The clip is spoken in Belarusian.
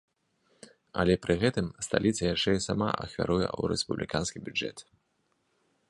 Але пры гэтым сталіца яшчэ і сама ахвяруе ў рэспубліканскі бюджэт.